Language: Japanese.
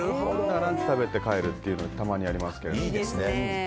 ランチ食べて帰るというのでたまにありますけど。